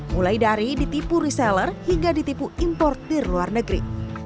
mulai dari ditipu reseller hingga ditipu impor dari luar negeri